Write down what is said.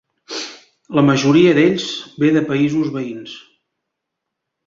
La majoria d'ells ve de països veïns.